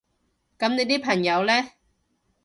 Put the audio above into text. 噉你啲朋友呢？